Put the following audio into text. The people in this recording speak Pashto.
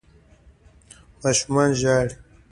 ماشومان ژاړي